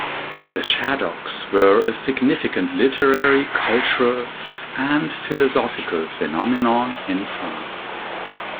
The Shadoks were a significant literary, cultural and philosophical phenomenon in France.